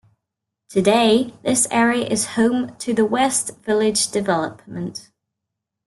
Today this area is home to the West Village development.